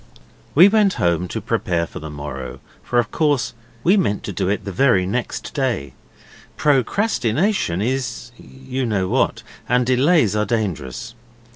We went home at once to prepare for the morrow, for of course we meant to do it the very next day. Procrastination is you know what and delays are dangerous.